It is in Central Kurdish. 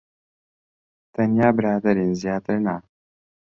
تەنیا برادەرین. زیاتر نا.